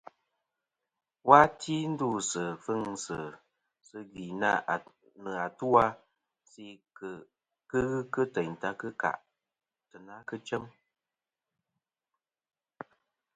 Wà ti ndusɨ tfɨŋsɨ sɨ gvi nɨ atu-a a nse kɨ ghɨ kɨ teyn ta kɨ n-tena chem-a.